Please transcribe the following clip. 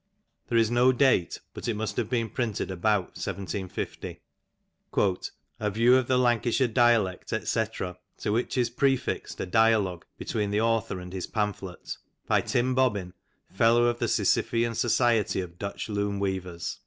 There is no date, but it must have been printed about 1750. ^' A View of the '^ Lancashire Dialect, &c., to which is prefixed a Dialogue between " the author and his pamphlet. By Tim Bobbin, Fellow of the " Sisyphian Society of Dutch Loom weavers.